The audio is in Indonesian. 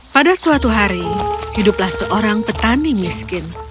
pada suatu hari hiduplah seorang petani miskin